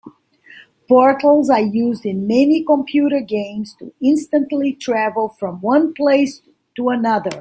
Portals are used in many computer games to instantly travel from one place to another.